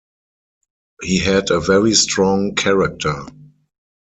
He had a very strong character.